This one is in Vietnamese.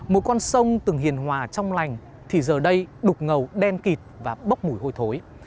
một con sông từng hiền hòa trong lành thì giờ đây đục ngầu đen kịt và bốc mùi hôi thối